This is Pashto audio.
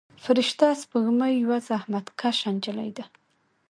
فرشته سپوږمۍ یوه زحمت کشه نجلۍ ده.